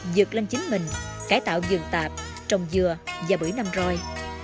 dược lên chính mình cải tạo giường tạp trồng dừa và bưởi nằm roi